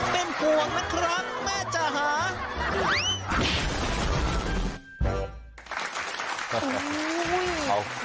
เป็นห่วงนะครับแม่จ๋า